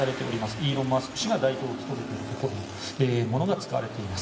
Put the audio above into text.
イーロン・マスク氏が代表を務めているところのものが使われています。